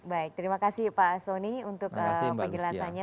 baik terima kasih pak soni untuk penjelasannya